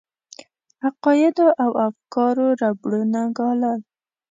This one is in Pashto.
عقایدو او افکارو ربړونه ګالل.